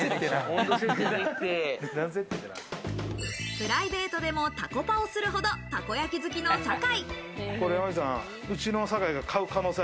プライベートでも、たこパをするほど、たこ焼き好きの坂井。